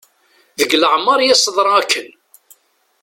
Deg leɛmer i as-teḍra akken.